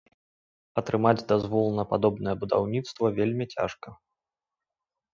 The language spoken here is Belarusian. Атрымаць дазвол на падобнае будаўніцтва вельмі цяжка.